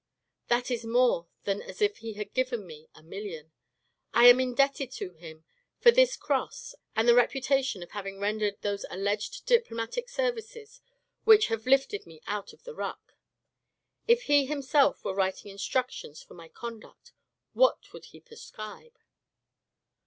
That is more than as if he had given me a million. I am indebted to him for this cross and the reputation of having rendered those alleged diplomatic services, which have lifted me out of the ruck. " If he himself were writing instructions for my conduct, what would he prescribe